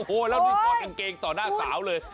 โอ๊ยแล้วมีก้อนกางเกงต่อหน้าสาวเลย